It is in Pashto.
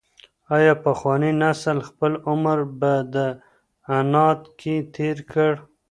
ایا پخواني نسل خپل عمر په عناد کي تېر کړ؟